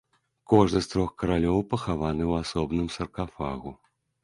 Кожны з трох каралёў пахаваны ў асобным саркафагу.